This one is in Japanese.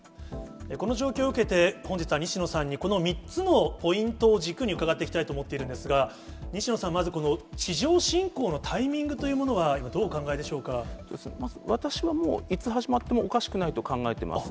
この状況を受けて、本日は西野さんに、この３つのポイントを軸に伺っていきたいと思っているんですが、西野さん、まずこの地上侵攻のタイミングというものは、どうお考えでしょう私はもう、いつ始まってもおかしくないと考えてます。